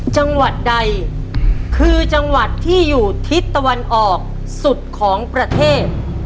จังหวัดใดคือจังหวัดที่อยู่ทิศตะวันออกสุดของประเทศ